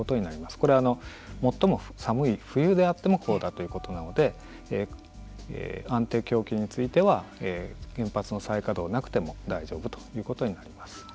これは最も寒い冬であってもこうだということなので安定供給については原発の再稼働なくても大丈夫ということになります。